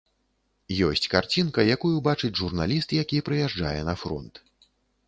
Ёсць карцінка, якую бачыць журналіст, які прыязджае на фронт.